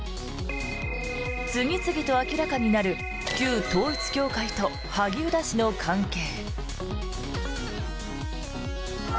次々と明らかになる旧統一教会と萩生田氏の関係。